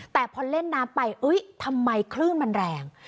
แต่พอเล่นน้ำไปทำไมคลื่นมันแรง